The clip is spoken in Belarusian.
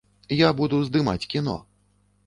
Я буду здымаць кіно.